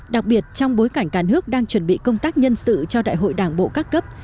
đặc biệt trong bối cảnh cả nước đang chuẩn bị công tác nhân sự cho đại hội đảng bộ các cấp